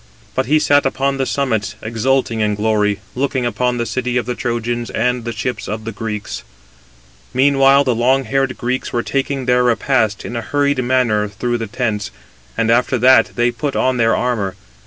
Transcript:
But he sat upon the summits, exulting in glory, looking upon the city of the Trojans and the ships of the Greeks. Meanwhile the long haired Greeks were taking their repast in a hurried manner through the tents, and after that they put on their armour.